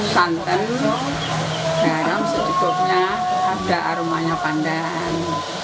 santan garam sedikitnya ada aromanya pandahan